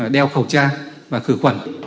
đeo khẩu trang và khử khuẩn